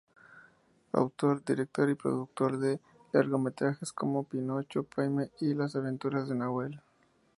Autor, director y productor de largometrajes como Pinocho, Pyme y Las Aventuras de Nahuel.